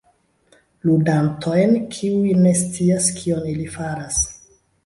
Ludantojn, kiuj ne scias kion ili faras...